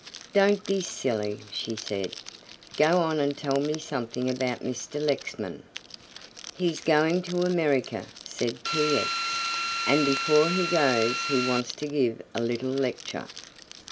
"Don't be silly," she said; "go on and tell me something about Mr. Lexman." "He's going to America," said T. X., "and before he goes he wants to give a little lecture."